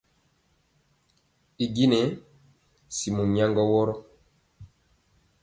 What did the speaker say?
I njenɛ nɛ simɔ nyaŋgɔ wɔrɔ.